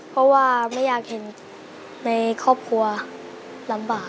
เพราะว่าไม่อยากเห็นในครอบครัวลำบาก